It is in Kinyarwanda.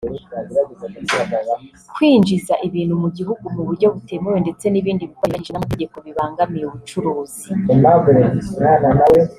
kwinjiza ibintu mu gihugu mu buryo butemewe ndetse n’ibindi bikorwa binyuranyije n’amategeko bibangamiye ubucuruzi